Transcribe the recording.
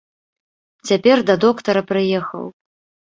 Цяпер да доктара прыехаў.